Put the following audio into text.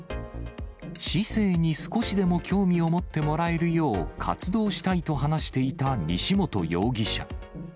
市政に少しでも興味を持ってもらえるよう活動したいと話していた西本容疑者。